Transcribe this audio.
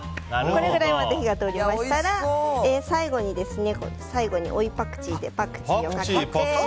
これぐらいまで火が通りましたら最後に追いパクチーでパクチーをかけて。